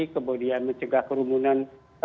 kemudian mencegah kerumunan